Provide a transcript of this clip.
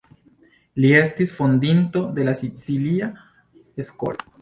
Li estis fondinto de la Sicilia Skolo.